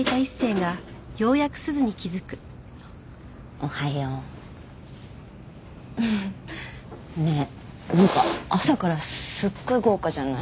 おはよう。ねえなんか朝からすっごい豪華じゃない？